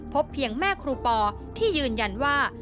เพียงแม่ครูปอที่ยืนยันว่า